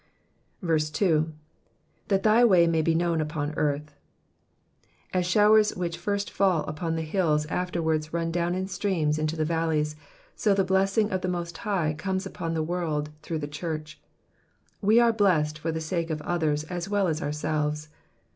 2. That thy way may he hnown upon earth.'' ^ As showers which first fall upon the hills afterwards run down in streams into the valleys, so the blessine of the Most High comes upon the world through the church. We are blessed for the sake of others as well as ourselves.